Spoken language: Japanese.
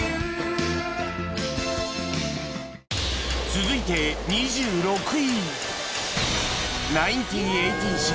続いて２６位